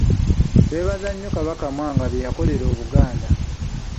Twebaza nnyo Kabaka Mwanga bye yakolera Obuganda.